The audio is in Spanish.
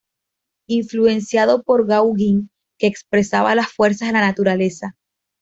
Influenciado por Gauguin, que expresaba las fuerzas de la naturaleza.